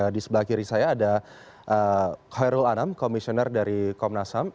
di sebelah kiri saya ada khairul anam komisioner dari komnas ham